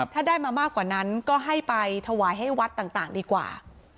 ถ้าได้มามากกว่านั้นก็ให้ไปถวายให้วัดต่างดีกว่า